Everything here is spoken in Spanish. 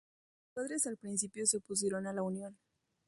Sus padres al principio se opusieron a la unión.